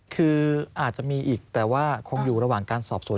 คืออาจจะมีอีกแต่ว่าคงอยู่ระหว่างการสอบสวน